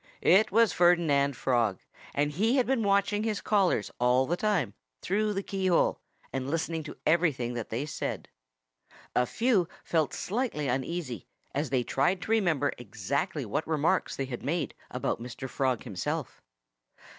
It was Ferdinand Frog; and he had been watching his callers all the time, through the keyhole, and listening to everything that they said. A few felt slightly uneasy, as they tried to remember exactly what remarks they had made about Mr. Frog himself.